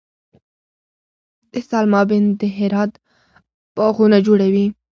د سلما بند د هرات باغونه خړوبوي.